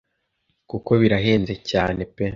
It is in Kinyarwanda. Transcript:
kuko birahenze cyane pe